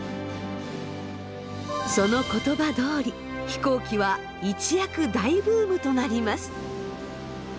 その言葉どおり飛行機は一躍大ブームとなります。